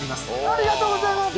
ありがとうございます